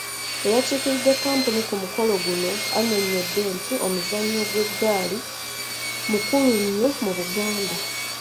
Eyakiikiridde kkampuni ku mukolo guno annyonnyodde nti omuzannyo gw’eggaali mukulu nnyo mu Buganda.